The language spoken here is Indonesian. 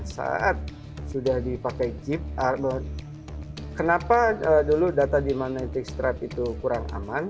saat sudah dipakai jeep kenapa dulu data di magnetic stripe itu kurang aman